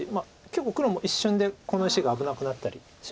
結構黒も一瞬でこの石が危なくなったりしますよね。